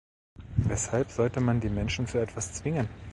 Weshalb sollte man die Menschen zu etwas zwingen?